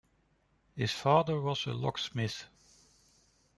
His father was a locksmith.